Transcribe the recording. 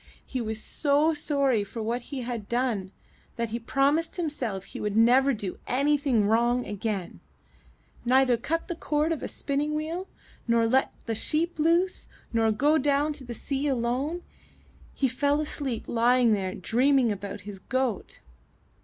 He was so sorry for what he had done, that he promised him self he would never do anything wrong again — neither cut the cord of the spinning wheel, nor let the sheep loose, nor go down to the sea alone. He fell asleep lying there and dreamed about his goat.